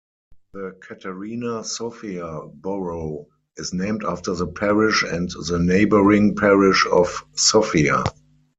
The Katarina-Sofia borough is named after the parish and the neighbouring parish of Sofia.